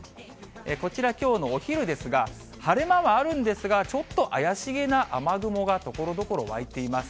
こちら、きょうのお昼ですが、晴れ間はあるんですが、ちょっと怪しげな雨雲が、ところどころ湧いています。